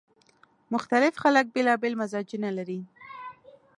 مختلف خلک بیلابېل مزاجونه لري